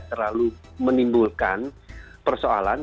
terus terlalu menimbulkan persoalan